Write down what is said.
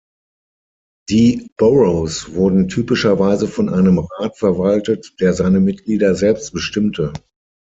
Die Boroughs wurden typischerweise von einem Rat verwaltet, der seine Mitglieder selbst bestimmte.